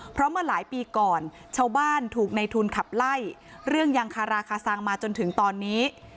เพราะเมื่อหลายปีก่อนชาวบ้านถูกในทุนขับไล่เรื่องยังคาราคาซังมาจนถึงตอนนี้